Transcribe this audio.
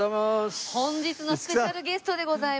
本日のスペシャルゲストでございます。